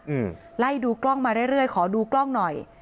อืมไล่ดูกล้องมาเรื่อยเรื่อยขอดูกล้องหน่อย